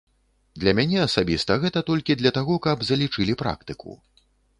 Для мяне асабіста гэта толькі для таго, каб залічылі практыку.